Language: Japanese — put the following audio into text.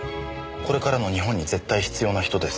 これからの日本に絶対必要な人です。